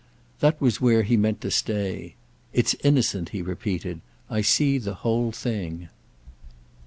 That was where he meant to stay. "It's innocent," he repeated—"I see the whole thing."